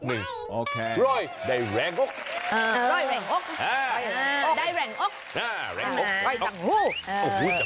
ร่อยแหล่งโอ๊คได้แหล่งโอ๊คแหล่งโอ๊ค